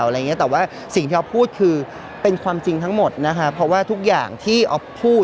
อะไรอย่างเงี้ยแต่ว่าสิ่งที่อ๊อฟพูดคือเป็นความจริงทั้งหมดนะคะเพราะว่าทุกอย่างที่อ๊อฟพูด